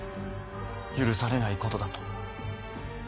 許されないことだと。